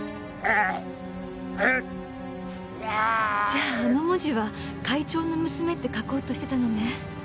じゃああの文字は会長の娘って書こうとしてたのね。